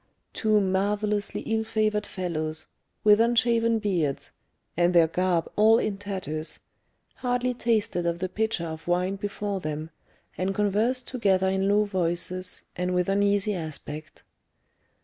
Two marvellously ill favoured fellows, with unshaven beards, and their garb all in tatters, hardly tasted of the pitcher of wine before them, and conversed together in low voices, and with uneasy aspect.